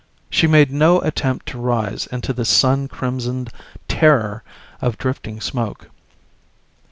She made no attempt to rise into the sun crimsoned terror of drifting smoke.